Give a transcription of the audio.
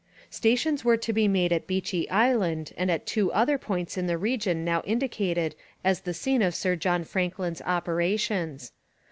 Stations were to be made at Beechey Island and at two other points in the region now indicated as the scene of Sir John Franklin's operations.